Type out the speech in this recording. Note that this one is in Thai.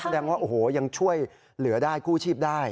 แสดงว่าโอ้โหยังช่วยเหลือได้กู้ชีพได้